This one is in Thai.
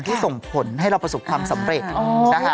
ส่งผลให้เราประสบความสำเร็จนะคะ